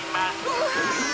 うわ！